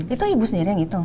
itu ibu sendiri yang hitung